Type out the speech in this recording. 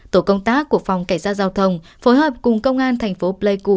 tổ công tác của phòng cảnh sát giao thông phối hợp cùng công an thành phố pleiku